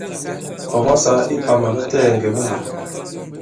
Ɔ̀ mɔ sāā ipàmà latɛɛ̀ ŋgè ɓaā.